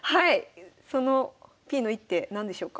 そのＰの一手何でしょうか？